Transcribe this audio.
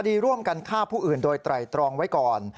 ดีร่วมกันฆ่าผู้อื่นโดยไตรตรองไว้ก่อน